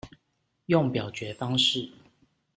用表決方式